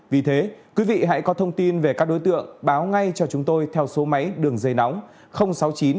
vì thế quý vị hãy có thông tin về các đối tượng báo ngay cho chúng tôi theo số máy đường dây nóng sáu mươi chín hai nghìn ba trăm hai mươi hai bốn trăm bảy mươi một